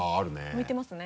置いてますね。